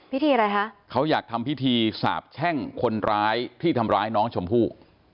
อะไรคะเขาอยากทำพิธีสาบแช่งคนร้ายที่ทำร้ายน้องชมพู่